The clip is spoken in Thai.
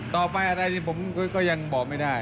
ต่อไปอะไรที่ผมก็ยังบอกไม่ได้